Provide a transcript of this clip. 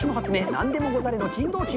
なんでもござれの珍道中。